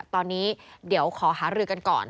ตอนนี้เดี๋ยวขอหารือกันก่อน